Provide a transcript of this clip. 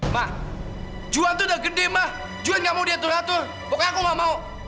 mak juan itu udah gede mah juan gak mau diatur atur pokoknya aku gak mau